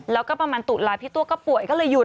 แล้วก็ประมาณตุลาพี่ตัวก็ป่วยก็เลยหยุด